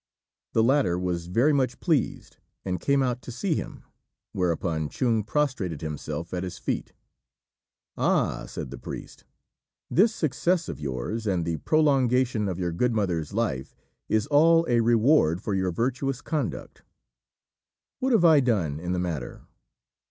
The latter was very much pleased, and came out to see him, whereupon Chung prostrated himself at his feet. "Ah," said the priest, "this success of yours, and the prolongation of your good mother's life, is all a reward for your virtuous conduct. What have I done in the matter?"